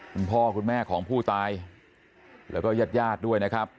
คุณพ่อคุณแม่ของผู้ตายแล้วก็ญาติญาติด้วยนะครับ